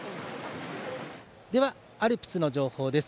ではアルプスの情報です。